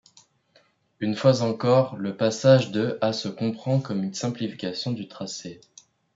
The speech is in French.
Une fois encore, le passage de à se comprend comme une simplification du tracé.